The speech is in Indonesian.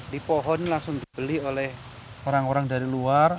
di pohon langsung dibeli oleh orang orang dari luar